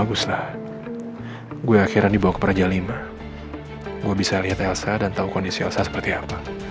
gue akhirnya dibawa ke praja lima gue bisa lihat elsa dan tahu kondisi elsa seperti apa